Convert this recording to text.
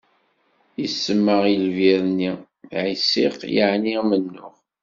Isemma i lbir-nni: Ɛisiq, yƐni amennuɣ.